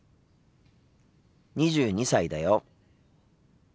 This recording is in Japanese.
２２歳だよ。